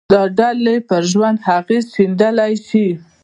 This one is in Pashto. دا ډلې پر ژوند اغېز ښندلای شي